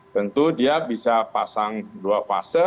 tentu dia bisa pasang dua fase